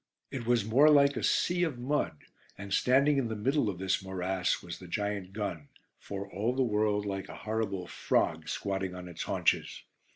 It was more like a "sea of mud," and standing in the middle of this morass was the giant gun, for all the world like a horrible frog squatting on its haunches.